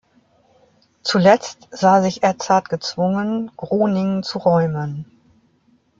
Zuletzt sah sich Edzard gezwungen, Groningen zu räumen.